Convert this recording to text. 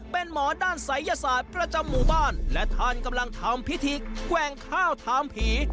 เป็นหมอด้านศัยยศาสตร์ประจำหมู่บ้านและท่านกำลังทำพิธีแกว่งข้าวถามผี